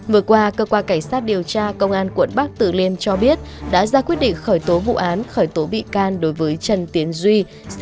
vừa qua cơ quan cảnh sát điều tra công an quận bắc tử liêm cho biết đã ra quyết định khởi tố vụ án khởi tố bị can đối với trần tiến duy